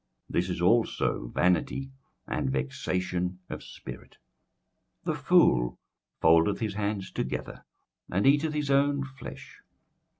This is also vanity and vexation of spirit. 21:004:005 The fool foldeth his hands together, and eateth his own flesh.